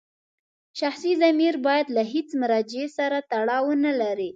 شخصي ضمیر باید له هېڅ مرجع سره تړاو ونلري.